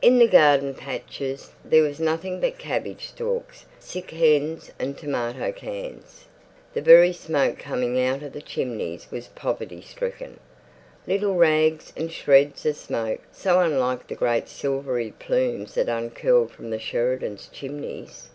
In the garden patches there was nothing but cabbage stalks, sick hens and tomato cans. The very smoke coming out of their chimneys was poverty stricken. Little rags and shreds of smoke, so unlike the great silvery plumes that uncurled from the Sheridans' chimneys.